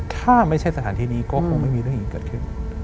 ถ้าไม่ใช่สถานที่นี้ก็คงไม่มีเรื่องอย่างนี้เกิดขึ้น